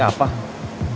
kabar baik apa